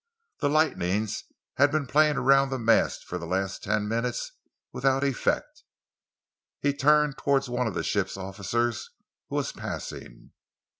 The lightnings had been playing around the mast for the last ten minutes without effect. He turned towards one of the ship's officers who was passing.